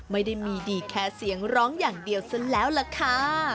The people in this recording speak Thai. ไม่ได้มีดีแค่เสียงร้องอย่างเดียวซะแล้วล่ะค่ะ